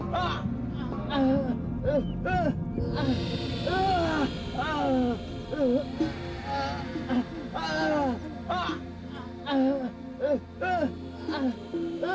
tidak dapati sudah menyalurkan tanganmu